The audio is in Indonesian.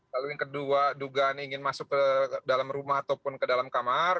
lalu yang kedua dugaan ingin masuk ke dalam rumah ataupun ke dalam kamar